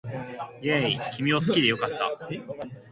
イェーイ君を好きで良かった